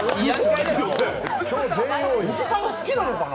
おじさんが好きなのかな。